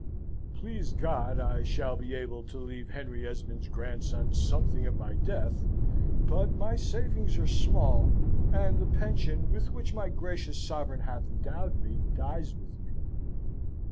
Please God, I shall be able to leave Henry Esmond's grandson something at my death; but my savings are small, and the pension with which my gracious Sovereign hath endowed me dies with me.